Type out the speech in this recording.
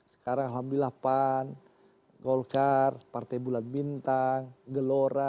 sekarang alhamdulillah pan golkar partai bulan bintang gelora